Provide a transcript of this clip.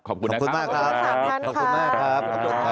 ขอบคุณมากครับ